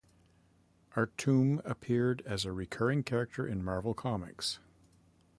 Artume appeared as a recurring character in Marvel Comics.